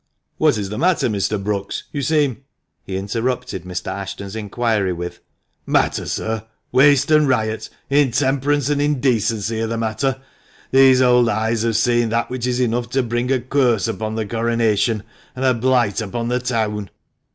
" What is the matter, Mr. Brookes ? You seem " He interrupted Mr. Ashton's inquiry with —" Matter, sir ? Waste and riot, intemperance and indecency, are the matter. These old eyes have seen that which is enough to bring a curse upon the coronation and a blight upon the town."